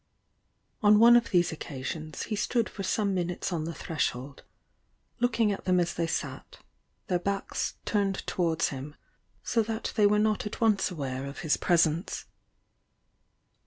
On one of these occasions l.«' stood for some minutes on the threshold, looking at them as they sat, their backs turned towards him, so that they were not at once aware of his presence.